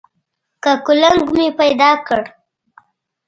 که کولنګ مې پیدا کړ.